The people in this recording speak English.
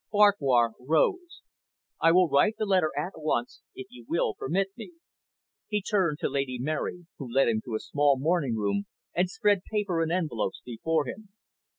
Farquhar rose. "I will write the letter at once, if you will permit me." He turned to Lady Mary, who led him to a small morning room, and spread paper and envelopes before him.